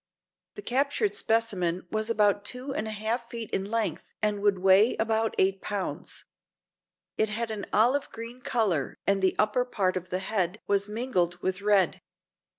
The captured specimen was about two and a half feet in length and would weigh about eight pounds. It had an olive green color and the upper part of the head was mingled with red.